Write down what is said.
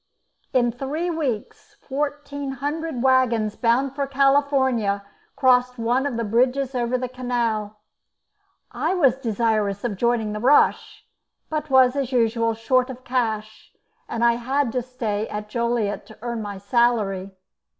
In three weeks fourteen hundred waggons bound for California crossed one of the bridges over the canal. I was desirous of joining the rush, but was, as usual, short of cash, and I had to stay at Joliet to earn my salary.